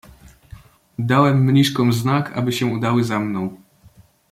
"Dałem mniszkom znak, aby się udały za mną."